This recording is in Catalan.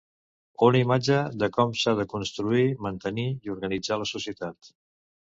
Una imatge de com s'ha de construir, mantenir i organitzar la societat.